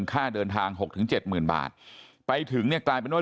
ค่าเดินทาง๖๗หมื่นบาทไปถึงเนี่ยกลายเป็นว่า